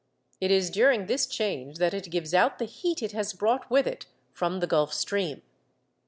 It is during this change that it gives out the heat it has brought with it from the Gulf Stream.